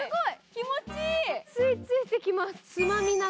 気持ちいい。